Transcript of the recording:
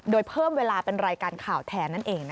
โดยเพิ่มเวลาเป็นรายการข่าวแทนนั่นเอง